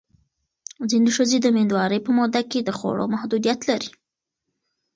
ځینې ښځې د مېندوارۍ په موده کې د خوړو محدودیت لري.